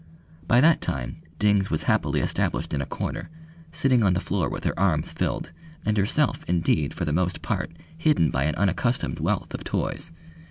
By that time Dings was happily established in a corner, sitting on the floor with her arms filled, and herself, indeed, for the most part hidden by an unaccustomed wealth of toys.